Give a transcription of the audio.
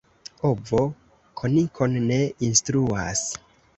Ovo kokinon ne instruas.